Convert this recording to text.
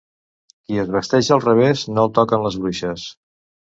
Qui es vesteix al revés no el toquen les bruixes.